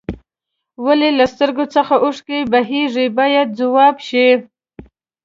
ولې له سترګو څخه اوښکې بهیږي باید ځواب شي.